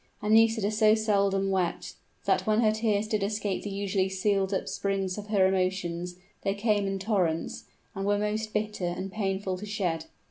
And Nisida so seldom wept, that when tears did escape the usually sealed up springs of her emotions, they came in torrents, and were most bitter and painful to shed.